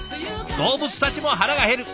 動物たちも腹がへる。